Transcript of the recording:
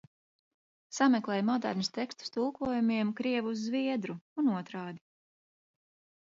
Sameklēju modernus tekstus tulkojumiem krievu uz zviedru un otrādi.